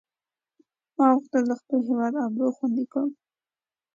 ما غوښتل د خپل هیواد آبرو خوندي کړم.